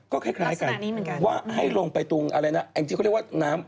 ก็คล้ายกันว่าให้ลงไปตรงอะไรนะแองจี้เขาเรียกว่าน้ำ